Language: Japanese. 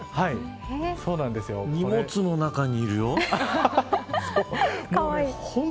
荷物の中にいるよ。